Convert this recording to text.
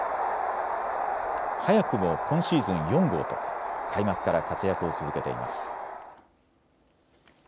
早くも今シーズン４号と開幕から活躍を続けています。